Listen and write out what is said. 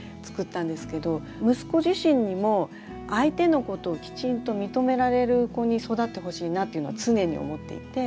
息子自身にも相手のことをきちんと認められる子に育ってほしいなっていうのは常に思っていて。